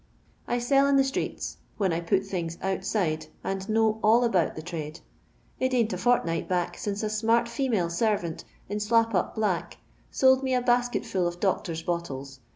I sell in the streets, when I put things ontside^ and know all abont the trade. " It ain't a fortniglit back since a smart female servant, in slap ap bhick, sold me a basket fall of doctor's bottles.